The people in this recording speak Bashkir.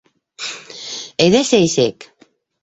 Әйҙә, сәй эсәйек.